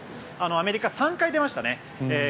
アメリカは３回出ましたね。